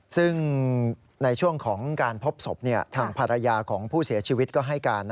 ซึ่งในช่วงของการพบศพทางภรรยาของผู้เสียชีวิตก็ให้การ